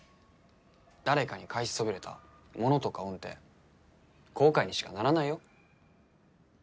誰かに返しそびれたものとか恩って後悔にしかならないよ